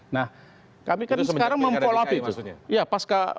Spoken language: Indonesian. nah kami kan sekarang mempolapi itu